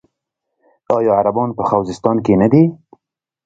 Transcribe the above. آیا عربان په خوزستان کې نه دي؟